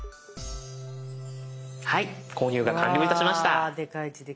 はい購入が完了いたしました。